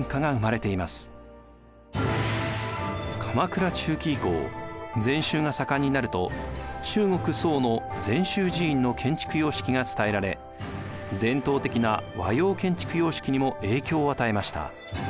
鎌倉中期以降禅宗が盛んになると中国・宋の禅宗寺院の建築様式が伝えられ伝統的な和様建築様式にも影響を与えました。